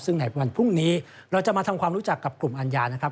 ซึ่งในวันพรุ่งนี้เราจะมาทำความรู้จักกับกลุ่มอัญญานะครับ